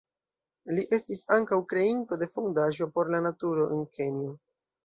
Li estis ankaŭ kreinto de fondaĵo por la naturo en Kenjo.